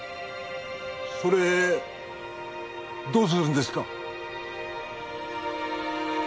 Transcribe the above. それどうするんですか？